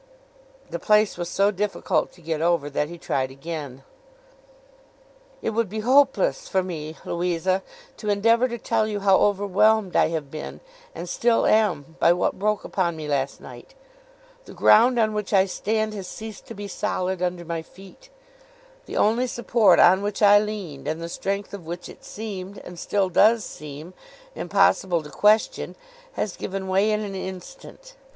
The place was so difficult to get over, that he tried again. 'It would be hopeless for me, Louisa, to endeavour to tell you how overwhelmed I have been, and still am, by what broke upon me last night. The ground on which I stand has ceased to be solid under my feet. The only support on which I leaned, and the strength of which it seemed, and still does seem, impossible to question, has given way in an instant.